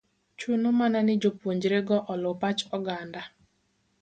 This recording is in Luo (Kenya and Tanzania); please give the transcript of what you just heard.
chuno mana ni jopuonjre go oluw pach oganda